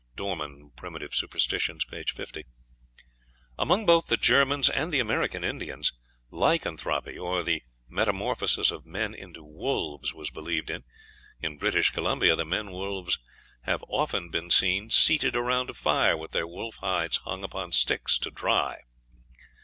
(Dorman, "Prim. Superst.," p. 50.) Among both the Germans and the American Indians lycanthropy, or the metamorphosis of men into wolves, was believed in. In British Columbia the men wolves have often been seen seated around a fire, with their wolf hides hung upon sticks to dry!